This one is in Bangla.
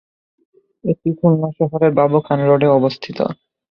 এটি খুলনা শহরের বাবু খান রোডে অবস্থিত।